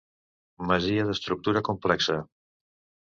Masia d'estructura complexa.